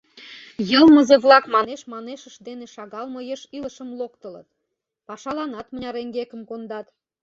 Йылмызе-влак манеш-манешышт дене шагал мо еш илышым локтылыт, пашаланат мыняр эҥгекым кондат.